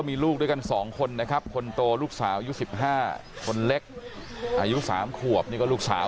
ไม่ถึงกลับมาหนูเลยพ่อก็จับหนูไปแล้ว